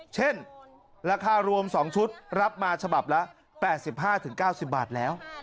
เช่นราคารวม๒ชุดรับมาฉบับละ๘๕๙๐บาทแล้ว